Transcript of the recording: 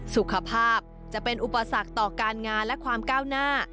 สุขภาพจะเป็นอุปสรรคต่อการงานและความก้าวหน้า